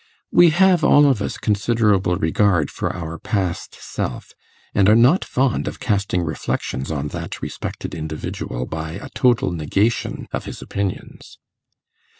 We have all of us considerable regard for our past self, and are not fond of casting reflections on that respected individual by a total negation of his opinions.